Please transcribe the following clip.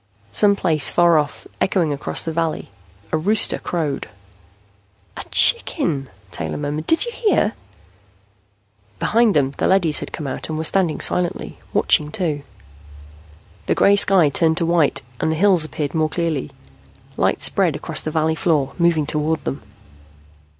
Some place far off, echoing across the valley, a rooster crowed. "A chicken!" Taylor murmured. "Did you hear?" Behind them, the leadys had come out and were standing silently, watching, too. The gray sky turned to white and the hills appeared more clearly. Light spread across the valley floor, moving toward them.